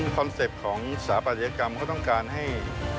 เป็ปต์ของสถาปัตยกรรมเขาต้องการให้